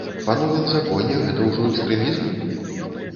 Па новым законе гэта ўжо экстрэмізм?